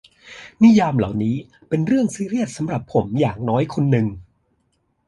นิยามเหล่านี้เป็นเรื่องซีเรียส สำหรับผมอย่างน้อยคนหนึ่ง